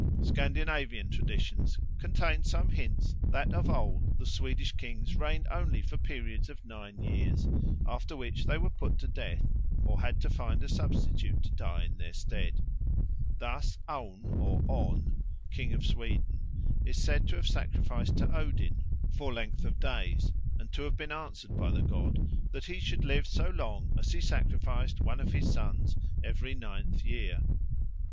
Scandinavian traditions contain some hints that of old the Swedish kings reigned only for periods of nine years, after which they were put to death or had to find a substitute to die in their stead. Thus Aun or On, king of Sweden, is said to have sacrificed to Odin for length of days and to have been answered by the god that he should live so long as he sacrificed one of his sons every ninth year.